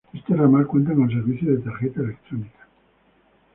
Este ramal cuenta con servicio de tarjeta electrónica.